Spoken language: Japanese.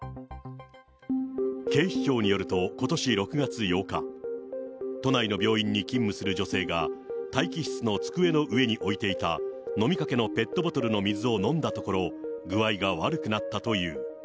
警視庁によると、ことし６月８日、都内の病院に勤務する女性が、待機室の机の上に置いていた飲みかけのペットボトルの水を飲んだところ、具合が悪くなったという。